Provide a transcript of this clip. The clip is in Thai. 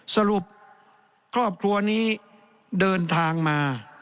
สรุปครอบครัวนี้เดินทางมา